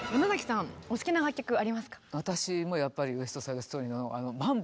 私もやっぱり「ウエスト・サイド・ストーリー」のマンボ！